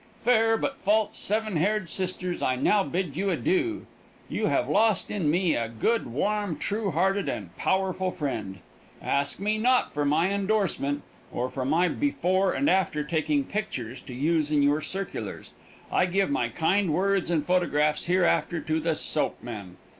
Fair, but false seven haired sisters, I now bid you adieu. You have lost in me a good, warm, true hearted, and powerful friend. Ask me not for my indorsement, or for my before and after taking pictures to use in your circulars; I give my kind words and photographs hereafter to the soap men.